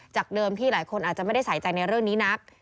เดิมที่หลายคนอาจจะไม่ได้ใส่ใจในเรื่องนี้นัก